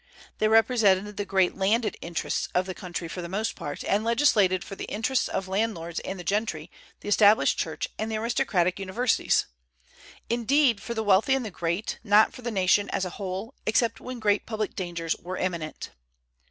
They represented the great landed interests of the country for the most part, and legislated for the interests of landlords and the gentry, the Established Church and the aristocratic universities, indeed, for the wealthy and the great, not for the nation as a whole, except when great public dangers were imminent.